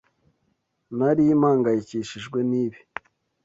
Nari mpangayikishijwe nibi.